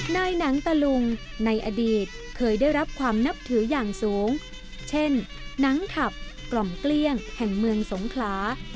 นายหนังตะลุงในอดีตเคยได้รับความนับถืออย่างสูงเช่นหนังขับกล่อมเกลี้ยงแห่งเมืองสงขลา